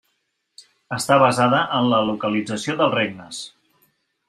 Està basada en la localització dels regnes.